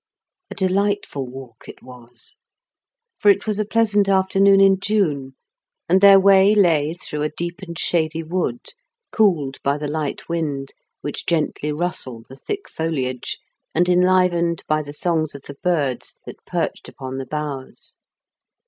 "A delightful walk it was; for it was a pleasant afternoon in June, and their way lay through a deep and shady wood, cooled by the hght wind wHch gently rustied the thick foliage, and enlivened by the songs of the birds that perched upon the boughs.